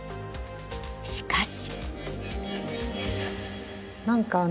しかし。